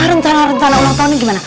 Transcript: rencana rencana ulang tahunnya gimana